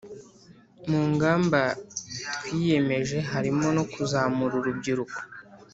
Mungamba twiyemeje harimo no kuzamura urubyiruko